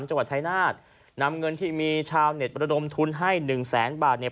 จังหวัดชายนาฏนำเงินที่มีชาวเน็ตประดมทุนให้หนึ่งแสนบาทเนี่ย